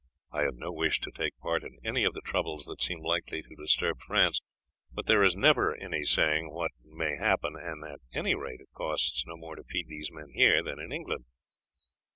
I have no wish to take part in any of the troubles that seem likely to disturb France, but there is never any saying what may happen, and at any rate it costs no more to feed these men here than in England."